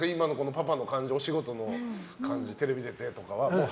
パパのお仕事の感じテレビに出てとか。